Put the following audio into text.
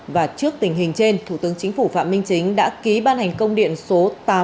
và trước tình hình trên thủ tướng chính phủ phạm minh chính đã ký ban hành công điện số tám trăm tám mươi